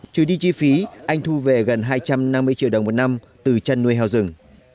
trừ đi chi phí anh thu về gần hai trăm năm mươi triệu đồng một năm từ chăn nuôi heo rừng